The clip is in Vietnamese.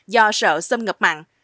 do sợ sâm ngập mặn